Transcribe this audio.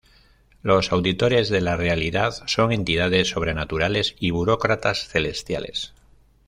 Los Auditores de la Realidad son entidades sobrenaturales y burócratas celestiales.